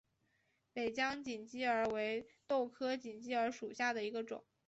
北疆锦鸡儿为豆科锦鸡儿属下的一个种。